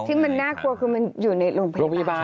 ที่มันน่ากลัวคือมันอยู่ในโรงพยาบาล